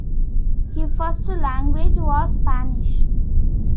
His first language was Spanish.